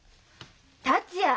達也！